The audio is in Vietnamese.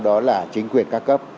đó là chính quyền ca cấp